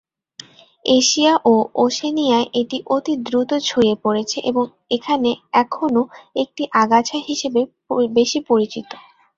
Asia ও ওশেনিয়ায় এটি অতি দ্রুত ছড়িয়ে পড়েছে এবং এখানে এখনো একটি আগাছা হিসাবে বেশি পরিচিত।